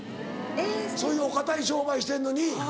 そういうお堅い商売してんのに？